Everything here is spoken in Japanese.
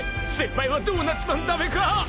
［先輩はどうなっちまうんだべか］